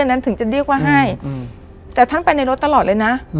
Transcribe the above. นั้นถึงจะเรียกว่าให้แต่ท่านไปในรถตลอดเลยนะ